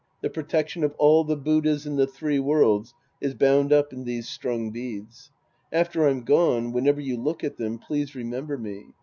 The protection of all the Buddhas in the three worlds is bound up in these strung beads. After I'm gone, whenever you look at them, please remember me.